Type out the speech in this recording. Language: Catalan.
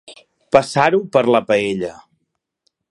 Passar-ho per la paella.